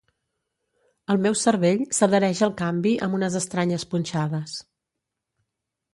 El meu cervell s'adhereix al canvi amb unes estranyes punxades.